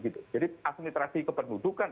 jadi administrasi kependudukan